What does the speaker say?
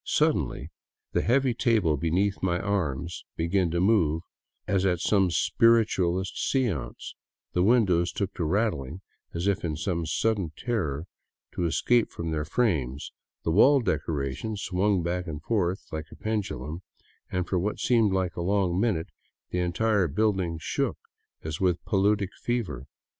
Suddenly the heavy table beneath my arm began to move as at some spiritualist seance, the windows took to rattling as if in some sudden terror to escape from their frames, the wall decorations swung back and forth like pendu lums, and for what seemed a long minute the entire building shook as with a paludic fever.